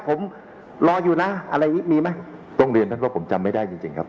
ผมรออยู่นะอะไรมีไหมตรงเรียนท่านว่าผมจำไม่ได้จริงครับ